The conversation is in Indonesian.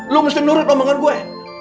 lo mesti nurut omongan gue